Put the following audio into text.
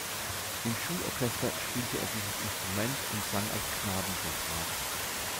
Im Schulorchester spielte er dieses Instrument und sang als Knabensopran.